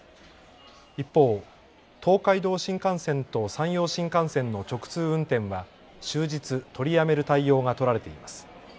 一方、東海道新幹線と山陽新幹線の直通運転は終日取りやめる対応が取られています。